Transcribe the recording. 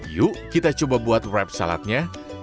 yuk kita coba buat wrap saladnya